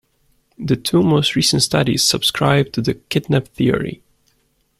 The two most recent studies subscribe to the kidnap theory.